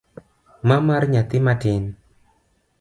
Ma mar nyathi matin.